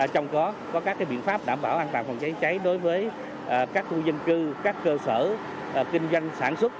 trong đó có các biện pháp đảm bảo an toàn phòng cháy cháy đối với các khu dân cư các cơ sở kinh doanh sản xuất